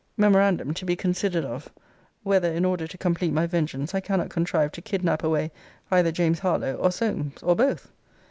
Memorandum, To be considered of Whether, in order to complete my vengeance, I cannot contrive to kidnap away either James Harlowe or Solmes? or both?